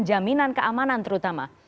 jaminan keamanan terutama